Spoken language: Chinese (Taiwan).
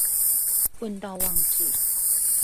問到忘記